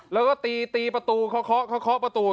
แล้วก็ตีประตูค้อประตู